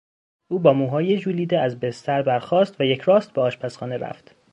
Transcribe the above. او با موهای ژولیده از بستر برخاست و یکراست به آشپزخانه رفت.